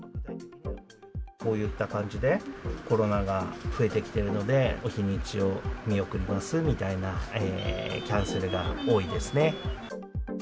こういった感じで、コロナが増えてきてるので、お日にちを見送りますみたいなキャンセルが多いですね。